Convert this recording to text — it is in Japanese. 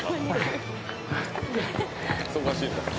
「忙しいんだ。